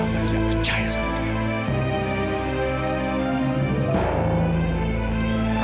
saya tidak percaya sama dia